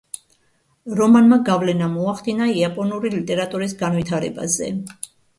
რომანმა გავლენა მოახდინა იაპონური ლიტერატურის განვითარებაზე.